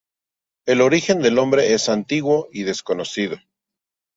El origen del nombre es antiguo y desconocido.